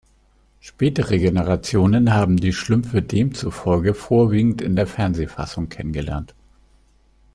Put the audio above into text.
Spätere Generationen haben die Schlümpfe demzufolge vorwiegend in der Fernsehfassung kennengelernt.